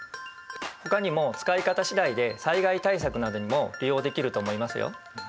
ほかにも使い方次第で災害対策などにも利用できると思いますよ。